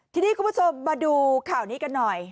ทีนี้คุณผู้ชมมาดูข่าวนี้กันหน่อย